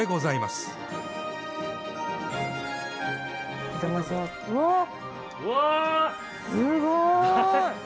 すごい！